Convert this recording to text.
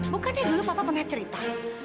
bukannya dulu papa pernah cerita